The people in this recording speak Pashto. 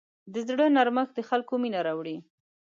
د زړه نرمښت د خلکو مینه راوړي.